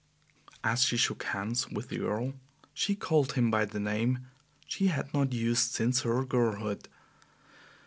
As she shook hands with the Earl, she called him by the name she had not used since her girlhood.